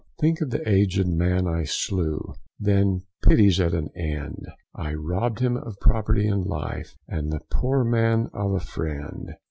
Think of the aged man I slew, Then pity's at an end, I robb'd him of property and life, And the poor man of a friend.